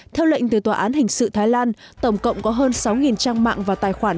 theo lệnh từ tòa án hình sự thái lan tổng cộng có hơn sáu trang mạng và tài khoản